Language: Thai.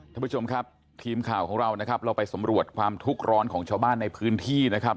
ท่านผู้ชมครับทีมข่าวของเรานะครับเราไปสำรวจความทุกข์ร้อนของชาวบ้านในพื้นที่นะครับ